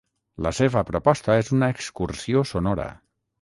La seva proposta és una excursió sonora.